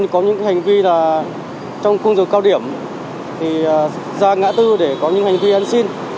có những hành vi là trong khuôn dục cao điểm thì ra ngã bốn để có những hành vi ăn xin